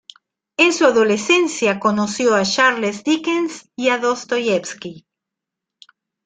En su adolescencia conoció a Charles Dickens y a Dostoyevski.